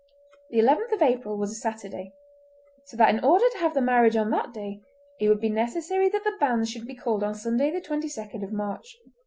The 11th April was Saturday, so that in order to have the marriage on that day it would be necessary that the banns should be called on Sunday, 22nd March.